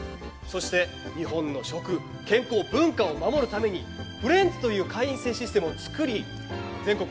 そして日本の食健康文化を守るためにフレンズという会員制システムをつくり全国